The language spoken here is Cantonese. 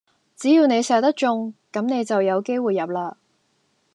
只要你射得中,咁你就有機會入啦